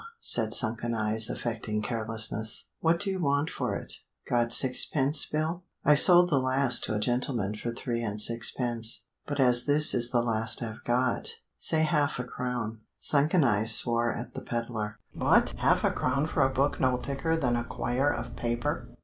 said sunken eyes affecting carelessness. "What do you want for it? Got sixpence, Bill?" "I sold the last to a gentleman for three and sixpence. But as this is the last I've got say half a crown." Sunken eyes swore at the peddler. "What! half a crown for a book no thicker than a quire of paper?"